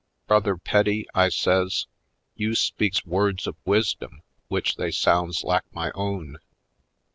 Brother Petty," I says, "you speaks words of wisdom w'ich they sounds lak my own.